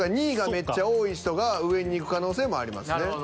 ２位がめっちゃ多い人が上にいく可能性もありますね。